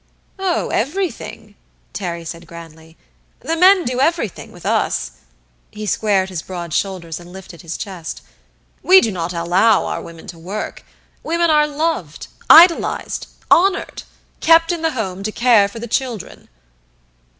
"Oh, everything," Terry said grandly. "The men do everything, with us." He squared his broad shoulders and lifted his chest. "We do not allow our women to work. Women are loved idolized honored kept in the home to care for the children."